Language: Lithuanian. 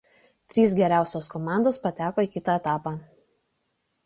Trys geriausios komandos pateko į kitą etapą.